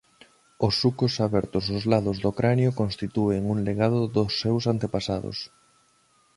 Os sucos abertos ós lados do cranio constitúen un legado dos seus antepasados.